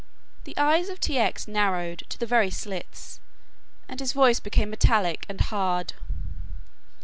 The eyes of T. X. narrowed to the very slits and his voice became metallic and hard.